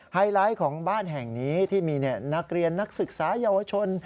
ไฮไลท์ของบ้านแห่งนี้ที่มีนักเรียนนักศึกษาเยาวชน